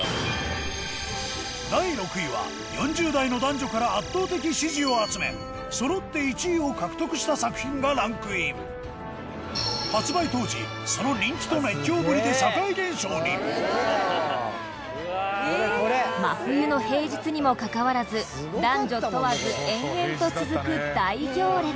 第６位は、４０代の男女から圧倒的支持を集めそろって１位を獲得した作品がランクイン発売当時、その人気と熱狂ぶりで社会現象に真冬の平日にもかかわらず男女問わず、延々と続く大行列